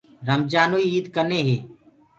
رمجآنٚوئي ايٚد ڪني هي